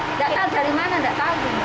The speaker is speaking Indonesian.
nggak tahu dari mana nggak tahu